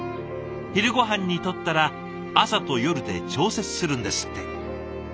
昼ごはんにとったら朝と夜で調節するんですって。